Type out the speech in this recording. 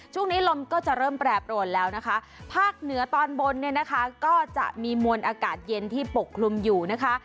ช่วงนี้ลมก็จะเริ่มแปรปรวนแล้วนะคะภาคเหนือตอนบนเนี่ยนะคะก็จะมีมวลอากาศเย็นที่ปกคลุมอยู่นะคะ